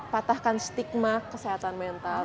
patahkan stigma kesehatan mental